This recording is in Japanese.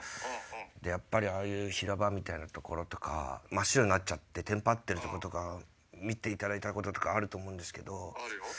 でやっぱりああいう平場みたいな所とか真っ白になっちゃってテンパってるとことか見ていただいたことあると思うんですけど。